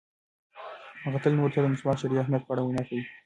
هغه تل نورو ته د مسواک د شرعي اهمیت په اړه وینا کوي.